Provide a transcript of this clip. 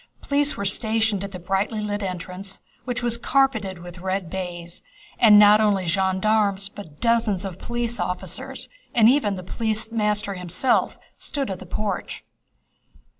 Police were stationed at the brightly lit entrance which was carpeted with red baize, and not only gendarmes but dozens of police officers and even the police master himself stood at the porch.